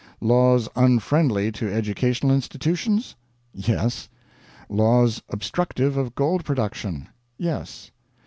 Laws unfriendly to educational institutions? Yes. Laws obstructive of gold production? Yes.